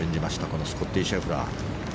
このスコッティ・シェフラー。